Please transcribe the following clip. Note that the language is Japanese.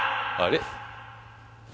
あれ？